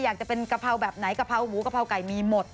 อยากจะเป็นกะเพราแบบไหนกะเพราหมูกะเพราไก่มีหมด